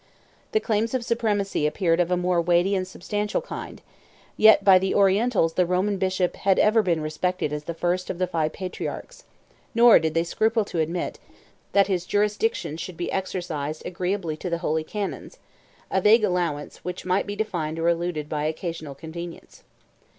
The claims of supremacy appeared of a more weighty and substantial kind; yet by the Orientals the Roman bishop had ever been respected as the first of the five patriarchs; nor did they scruple to admit, that his jurisdiction should be exercised agreeably to the holy canons; a vague allowance, which might be defined or eluded by occasional convenience.